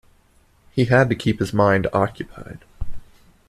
He had to keep his mind occupied.